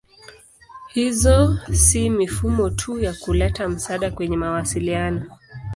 Hizo si mifumo tu ya kuleta msaada kwenye mawasiliano.